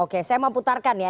oke saya mau putarkan ya